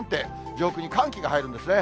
上空に寒気が入るんですね。